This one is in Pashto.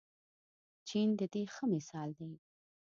چین د دې ښه مثال دی.